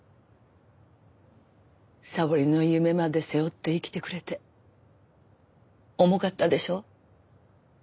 沙織の夢まで背負って生きてくれて重かったでしょ？